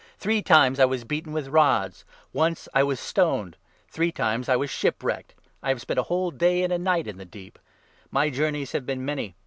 Three times I was beaten with rods. Once I was 25 stoned. Three times I was shipwrecked. I have spent a 26 whole day and night in the deep. My journeys have been many.